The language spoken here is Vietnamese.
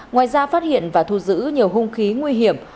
ngoài ra phát hiện và thu giữ nhiều hung khí nguy hiểm